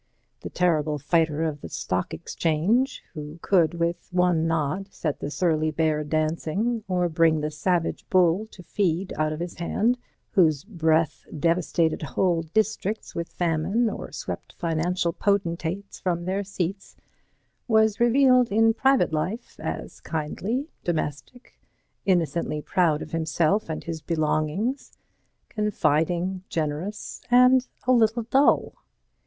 The terrible fighter of the Stock Exchange, who could with one nod set the surly bear dancing, or bring the savage bull to feed out of his hand, whose breath devastated whole districts with famine or swept financial potentates from their seats, was revealed in private life as kindly, domestic, innocently proud of himself and his belongings, confiding, generous and a little dull.